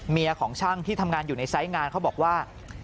ของช่างที่ทำงานอยู่ในไซส์งานเขาบอกว่า